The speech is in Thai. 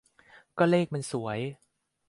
ก็เลขมันสวย